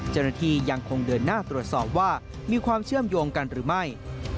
เจ้าหน้าที่ยังคงเดินหน้าตรวจสอบว่ามีความเชื่อมโยงกันหรือไม่